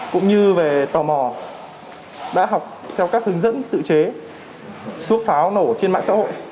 cũng như về tò mò đã học theo các hướng dẫn tự chế thuốc pháo nổ trên mạng xã hội